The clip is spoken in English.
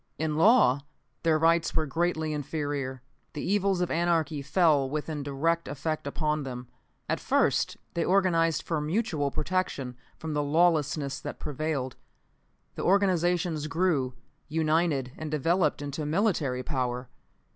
In law, their rights were greatly inferior. The evils of anarchy fell with direct effect upon them. At first, they organized for mutual protection from the lawlessness that prevailed. The organizations grew, united and developed into military power.